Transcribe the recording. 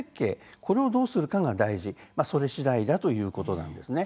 これをどうするかが大事それしだいだということです。